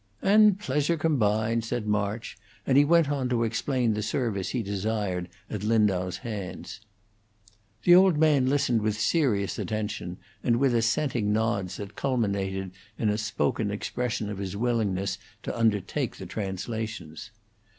"And pleasure combined," said March, and he went on to explain the service he desired at Lindau's hands. The old man listened with serious attention, and with assenting nods that culminated in a spoken expression of his willingness to undertake the translations.